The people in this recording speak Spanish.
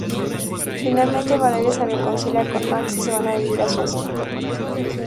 Finalmente, Valeria se reconcilia con Max y se van a vivir a su hacienda.